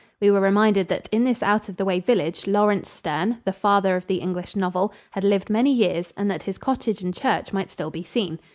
We were reminded that in this out of the way village Laurence Sterne, "the father of the English novel," had lived many years and that his cottage and church might still be seen.